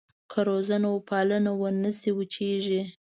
که روزنه وپالنه ونه شي وچېږي.